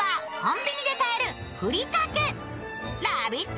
ラヴィット！